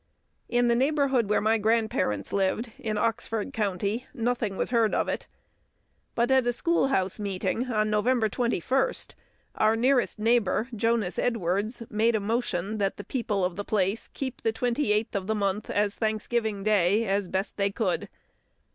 In the neighbourhood where my grandparents lived, in Oxford County, nothing was heard of it; but at a schoolhouse meeting, on November 21st, our nearest neighbour, Jonas Edwards, made a motion "that the people of the place keep the 28th of the month as Thanksgiving Day the best they could."